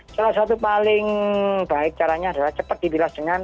salah satu paling baik caranya adalah cepat dibilas dengan